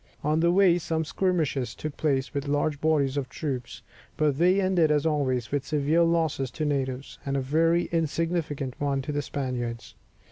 On the way some skirmishes took place with large bodies of troops, but they ended as always, with severe loss to the natives, and a very insignificant one to the Spaniards.